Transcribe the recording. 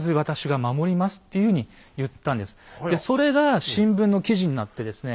それが新聞の記事になってですね